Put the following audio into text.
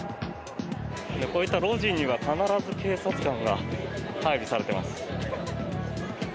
こういった路地には必ず警察官が配備されています。